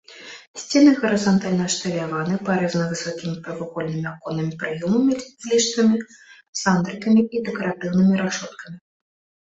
Сцены гарызантальна ашаляваны, прарэзаны высокімі прамавугольнымі аконнымі праёмамі з ліштвамі, сандрыкамі і дэкаратыўнымі рашоткамі.